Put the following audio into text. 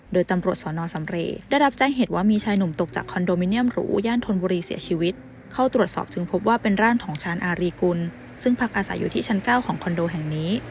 โดยตำรวจสอนอสำเรย์ได้รับแจ้งเหตุว่ามีชายหนุ่มตกจากคอนโดมิเนียมหรูย่านธนบุรีเสียชีวิตเข้าตรวจสอบจึงพบว่าเป็นร่างของชาญอารีกุลซึ่งพักอาศัยอยู่ที่ชั้น๙ของคอนโดแห่งนี้